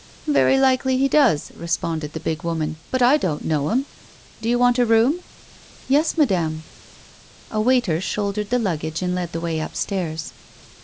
" Very likely he does," responded the big woman, " but I don't know him. Do you want a room 1 "" Yes, madame." A waiter shouldered the luggage and led the way upstairs.